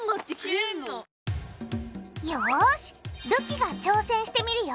よしるきが挑戦してみるよ！